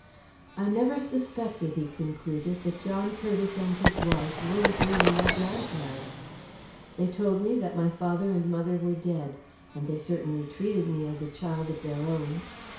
"I never suspected," he concluded, "that John Curtiss and his wife weren't really my grandparents. They told me my father and mother were dead, and they certainly treated me as a child of their own.